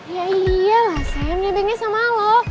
ya iyalah sam nebengnya sama lo